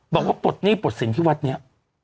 บอกว่าปฏนี่ปฏสินที่วัดเนี่ย